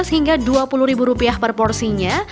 dua ratus hingga dua puluh ribu rupiah per porsinya